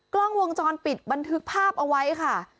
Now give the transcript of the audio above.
กล้องวงจรปิดบันทึกภาพเอาไว้ค่ะ